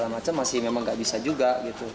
masih memang gak bisa juga